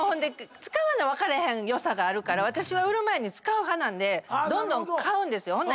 使わな分からへん良さがあるから私は売る前に使う派なんでどんどん買うんですよ。